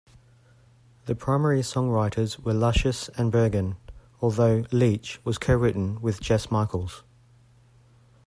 The primary songwriters were Luscious and Burgan, although "Leech" was co-written with Jesse Michaels.